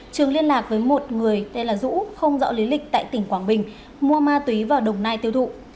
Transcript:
trường liên lạc với một người tên là dũ không rõ lý lịch tại tỉnh quảng bình mua ma túy vào đồng nai tiêu thụ